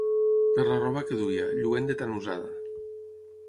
Per la roba que duia, lluent de tan usada